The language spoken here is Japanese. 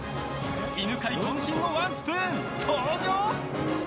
犬飼渾身のワンスプーン、登場！